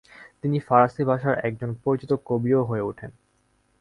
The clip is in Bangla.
তিনি ফারসি ভাষার একজন পরিচিত কবিও হয়ে ওঠেন।